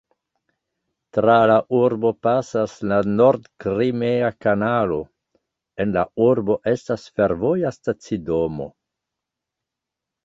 Tra la urbo pasas la nord-krimea kanalo; en la urbo estas fervoja stacidomo.